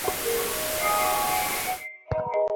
তার মানে, এটা কাজ করে।